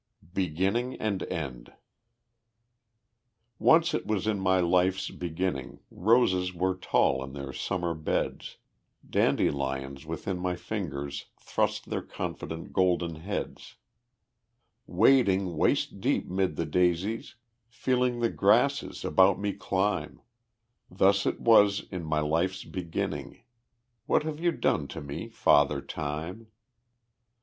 Beginning and End Once it was in my life's beginning, Roses were tall in their summer beds, Dandelions within my fingers Thrust their confident golden heads; Wading waist deep 'mid the daisies, Feeling the grasses about me climb Thus it was in my life's beginning; What have you done to me, Father Time?